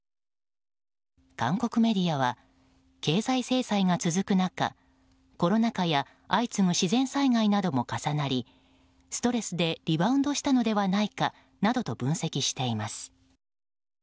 韓国メディアは経済制裁が続く中コロナ禍や相次ぐ自然災害なども重なりストレスでリバウンドしたのではないかなどと分析しています。